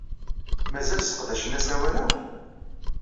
Mazal sseqdacen asawal-a?